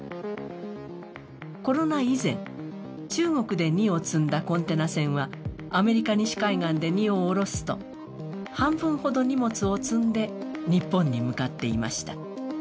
コロナ以前、中国で荷を積んだコンテナ船は、アメリカ西海岸で荷を下ろすと半分ほど荷物を積んで日本に向かっていました。